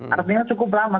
artinya cukup lama